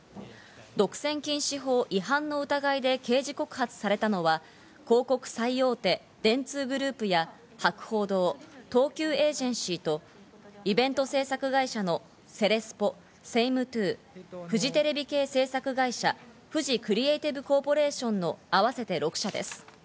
独占禁止法違反の疑いで刑事告発されたのは広告最大手・電通グループや博報堂を東急エージェンシーと、イベント制作会社のセレスポ、セイムトゥー、フジテレビ系制作会社フジクリエイティブコーポレーションの合わせて６社です。